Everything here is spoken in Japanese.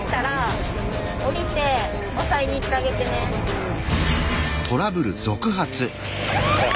うん。